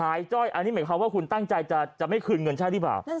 จ้อยอันนี้หมายความว่าคุณตั้งใจจะไม่คืนเงินใช่หรือเปล่า